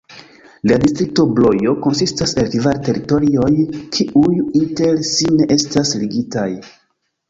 La distrikto Brojo konsistas el kvar teritorioj, kiuj inter si ne estas ligitaj.